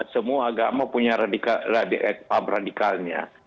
semua agama punya radikalnya